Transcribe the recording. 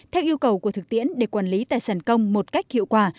theo yêu cầu của thực tiễn để quản lý tài sản công một cách hiệu quả